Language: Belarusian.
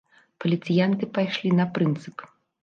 Паліцыянты пайшлі на прынцып.